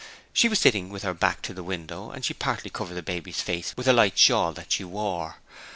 She was sitting with her back to the window and she partly covered the baby's face with a light shawl that she wore.